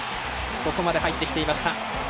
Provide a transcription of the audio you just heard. ここまで入ってきていました。